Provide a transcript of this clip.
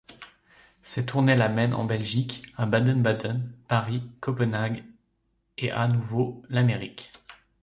Ses tournées l'amènent en Belgique, à Baden-Baden, Paris, Copenhague et à nouveau l'Amérique.